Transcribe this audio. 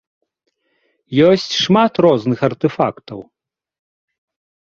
Ёсць шмат розных артэфактаў.